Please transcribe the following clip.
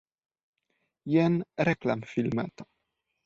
Jen reklamfilmeto.